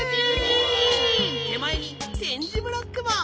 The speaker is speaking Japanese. てまえにてんじブロックも！